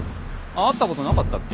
会ったことなかったっけ？